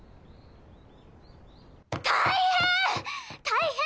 大変！